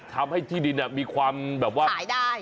ที่ดินมีความแบบว่าขายได้